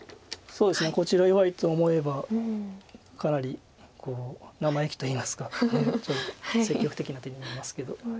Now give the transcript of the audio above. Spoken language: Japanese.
こちら弱いと思えばかなり生意気といいますか積極的な手に見えますけど。